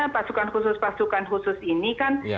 pasukan khusus pasukan khusus ini kan